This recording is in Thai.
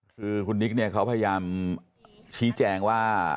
คือคุณนิกเนี่ยเขาพยายามชี้แจงว่า